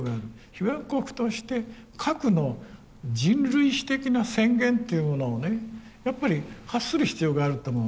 被爆国として核の人類史的な宣言というものをねやっぱり発する必要があると思う。